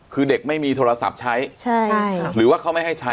คือเด็กไม่มีโทรศัพท์ใช้ใช่ค่ะหรือว่าเขาไม่ให้ใช้